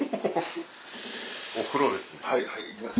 お風呂です。